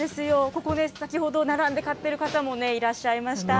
ここで先ほど並んで買ってる方もいらっしゃいました。